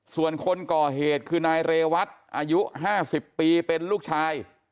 ส่วนคนก่อเหตุคือนายเรวัตอายุ๕๐ปีเป็นลูกชาย